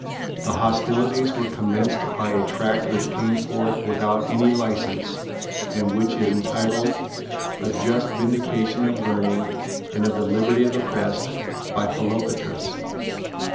The hostilities were commenced by a tract which came forth without any license, and which is entitled A Just Vindication of Learning and of the Liberty of the Press, by Philopatris.